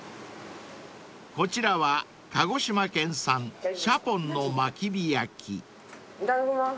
［こちらは］いただきます。